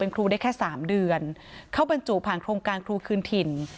ครูได้แค่๓เดือนเข้าบรรจุผ่านโครงการครูคืนถิ่น